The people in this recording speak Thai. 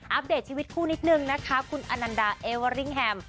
เดตชีวิตคู่นิดนึงนะคะคุณอนันดาเอเวอริงแฮม